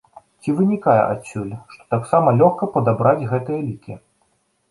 Ці вынікае адсюль, што таксама лёгка падабраць гэтыя лікі?